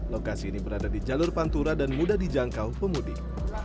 lokasi ini berada di jalur pantura dan mudah dijangkau pemudik